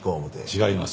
違います。